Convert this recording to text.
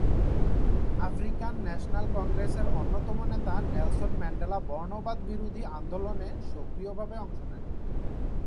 African National কংগ্রেসের অন্যতম নেতা নেলসন ম্যান্ডেলা বর্ণবাদ বিরোধী আন্দোলনে সক্রিয়ভাবে অংশ নেন।